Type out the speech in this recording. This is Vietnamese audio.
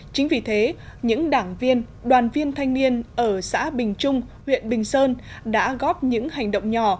chính vì thế những đảng viên đoàn viên thanh niên ở xã bình trung huyện bình sơn đã góp những hành động nhỏ